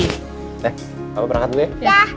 eh mama berangkat dulu ya